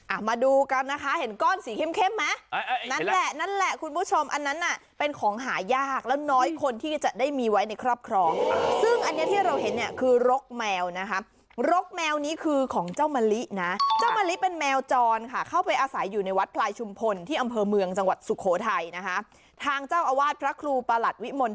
มาดูกันนะคะเห็นก้อนสีเข้มเข้มไหมนั่นแหละนั่นแหละคุณผู้ชมอันนั้นน่ะเป็นของหายากแล้วน้อยคนที่จะได้มีไว้ในครอบครองซึ่งอันนี้ที่เราเห็นเนี่ยคือรกแมวนะคะรกแมวนี้คือของเจ้ามะลินะเจ้ามะลิเป็นแมวจรค่ะเข้าไปอาศัยอยู่ในวัดพลายชุมพลที่อำเภอเมืองจังหวัดสุโขทัยนะคะทางเจ้าอาวาสพระครูประหลัดวิมล